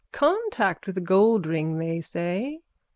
_ Contact with a goldring, they say.